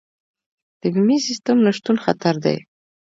د بیمې سیستم نشتون خطر دی.